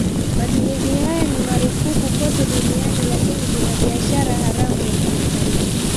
Matumizi haya ni marufuku kote duniani lakini kuna biashara haramu ya kimataifa.